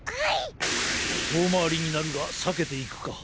とおまわりになるがさけていくか。